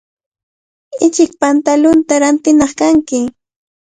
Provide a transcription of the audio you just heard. Ichik pantalunta rantinaq kanki.